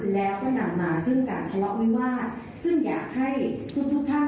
แล้วก็จะว่าไปตามกฎหมายตามเกิดขึ้น